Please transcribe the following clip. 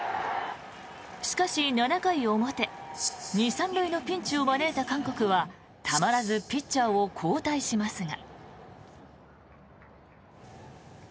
しかし、７回表２・３塁のピンチを招いた韓国はたまらずピッチャーを交代しますが。